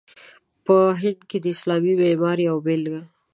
په هند کې د اسلامي معمارۍ یوه بېلګه.